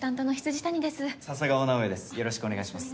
よろしくお願いします。